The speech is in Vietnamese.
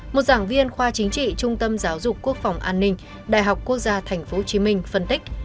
một giảng viên khoa chính trị trung tâm giáo dục quốc phòng an ninh đại học quốc gia tp hcm phân tích